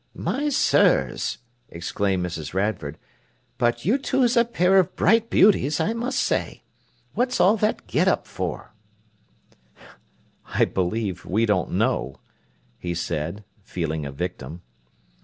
"My sirs!" exclaimed Mrs. Radford; "but you two's a pair of bright beauties, I must say! What's all that get up for?" "I believe we don't know," he said, feeling a victim.